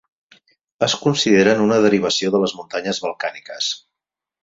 Es consideren una derivació de les muntanyes balcàniques.